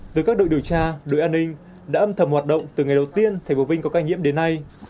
từ các đội điều tra đội an ninh đã âm thầm hoạt động từ ngày đầu tiên tp vinh có ca nhiễm đến nay